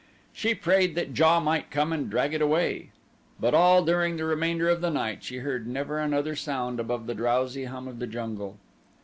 She prayed that JA might come and drag it away, but all during the remainder of the night she heard never another sound above the drowsy hum of the jungle.